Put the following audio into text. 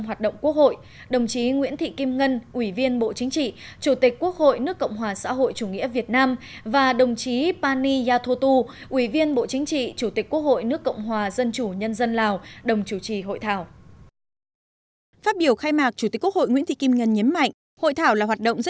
hãy đăng ký kênh để nhận thông tin nhất